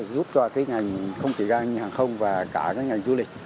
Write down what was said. giúp cho cái ngành không chỉ doanh nghiệp hàng không và cả cái ngành du lịch